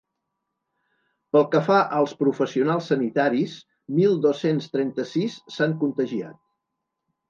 Pel que fa als professionals sanitaris, mil dos-cents trenta-sis s’han contagiat.